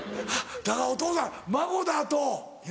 だからお父さん孫だとイワクラ。